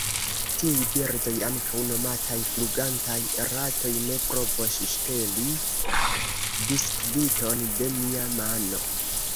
Tiuj birdoj, ankaŭ nomataj flugantaj ratoj, ne provos ŝteli biskviton de mia mano.